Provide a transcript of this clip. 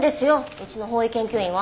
うちの法医研究員は。